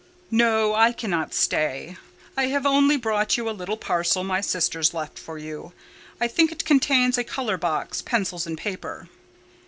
"No, I cannot stay; I have only brought you a little parcel my sisters left for you. I think it contains a colour box, pencils, and paper."